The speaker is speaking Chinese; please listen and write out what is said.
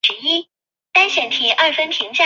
圣瓦阿斯德隆格蒙。